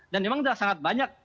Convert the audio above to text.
dan memang sudah sangat banyak